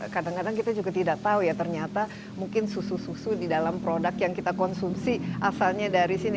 kadang kadang kita juga tidak tahu ya ternyata mungkin susu susu di dalam produk yang kita konsumsi asalnya dari sini